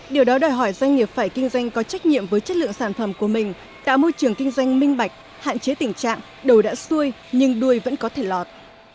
điều đó đòi hỏi doanh nghiệp phải kinh doanh có trách nhiệm với chất lượng sản phẩm của mình tạo môi trường kinh doanh minh bạch hạn chế tình trạng đầu đã xuôi nhưng đuôi vẫn có thể lọt